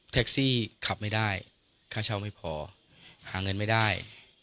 ซี่ขับไม่ได้ค่าเช่าไม่พอหาเงินไม่ได้